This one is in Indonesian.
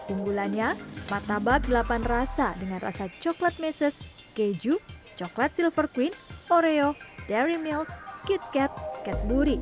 unggulannya martabak delapan rasa dengan rasa coklat meses keju coklat silver queen oreo dairy milk kit kat ket buri